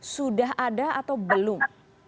sudah ada atau belum